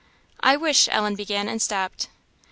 "I wish," Ellen began, and stopped.